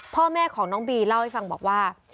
พ่อแม่ของน้องบีเล่าให้ฟังบอกว่า